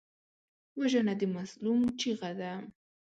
وژنه د مظلوم چیغه ده